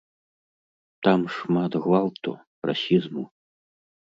Там шмат гвалту, расізму.